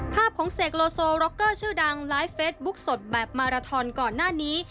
ภาพของเสกโลโซร็อกเกอร์ชื่อดังไลฟ์เฟสบุ๊คสดแบบมาราทอนก่อนหน้านี้